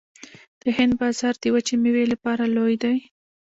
د هند بازار د وچې میوې لپاره لوی دی